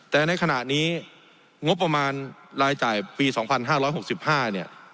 แต่ในขณะนี้งบประมาณรายจ่ายปี๒๕๖๕เนี่ย